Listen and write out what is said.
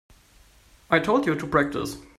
I told you to practice.